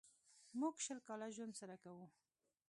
موږ شل کاله ژوند سره کوو.